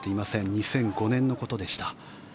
２００５年のことでした。